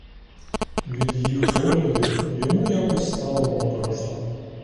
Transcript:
Від їх поглядів йому якось стало моторошно.